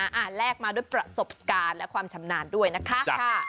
แลกมาด้วยประสบการณ์และความชำนาญด้วยนะคะ